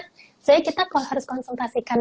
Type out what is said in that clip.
sebenarnya kita harus konsultasikan